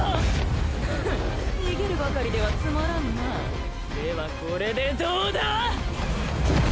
フン逃げるばかりではつまらんなではこれでどうだ！？